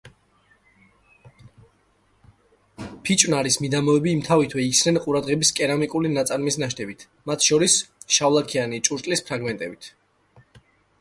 ფიჭვნარის მიდამოები იმთავითვე იქცევენ ყურადღებას კერამიკული ნაწარმის ნაშთებით, მათ შორის შავლაქიანი ჭურჭლის ფრაგმენტებით.